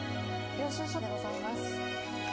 領収書でございます。